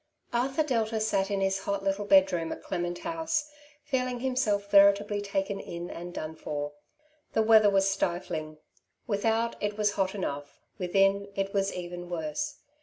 Abthub Delta sat in his hot little bedroom at Clement House, feeling himself veritably taken in and done for. The weather was stifling; without it was hot enough, within it was even worse.